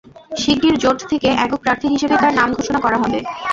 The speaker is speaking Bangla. শিগগির জোট থেকে একক প্রার্থী হিসেবে তাঁর নাম ঘোষণা করা হবে।